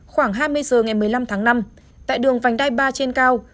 khoảng hai mươi h ngày một mươi năm tháng năm tại đường vành đai ba trên cao